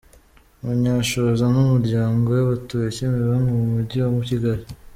Munyanshoza n’umuryango we batuye Kimironko mu Mujyi wa Kigali.